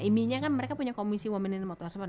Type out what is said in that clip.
imi nya kan mereka punya komisi women in motorsport